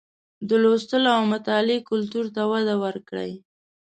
د لوستلو او مطالعې کلتور ته وده ورکړئ